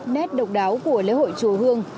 nét độc đáo của lễ hội chùa hương